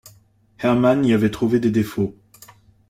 Herrmann y avait trouvé des défauts.